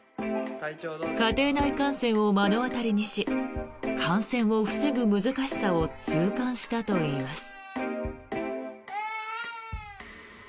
家庭内感染を目の当たりにし感染を防ぐ難しさを痛感したといいます。